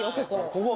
ここ。